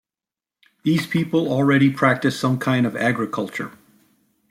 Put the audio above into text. These people already practiced some kind of agriculture.